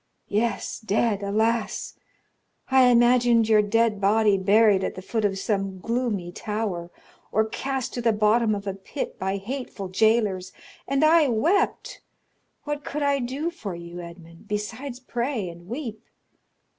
Yes, dead, alas! I imagined your dead body buried at the foot of some gloomy tower, or cast to the bottom of a pit by hateful jailers, and I wept! What could I do for you, Edmond, besides pray and weep?